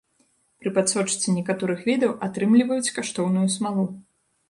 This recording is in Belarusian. Пры падсочцы некаторых відаў атрымліваюць каштоўную смалу.